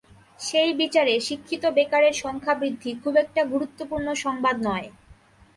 সেই বিচারে শিক্ষিত বেকারের সংখ্যা বৃদ্ধি খুব একটা গুরুত্বপূর্ণ সংবাদ নয়।